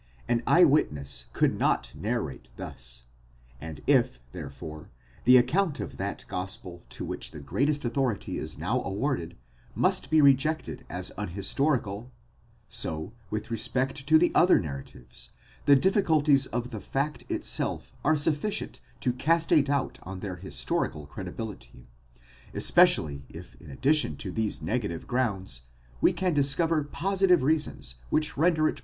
An eye witness could not narrate thus ; 16 and if, therefore, the account of that gospel to which the greatest authority is now awarded, must be rejected _as unhistorical ; so, with respect to the other narratives, the difficulties of the fact itself are sufficient to cast a doubt on their historical credibility, especially if in addition to these negative grounds we can discover positive reasons which render it pr..